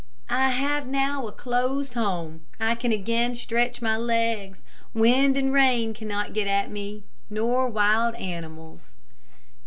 "I have now a closed home. I can again stretch my legs. Wind and rain cannot get at me, nor wild animals."